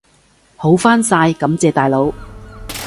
好返晒，感謝大佬！